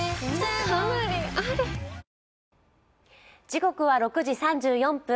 時刻は６時３４分。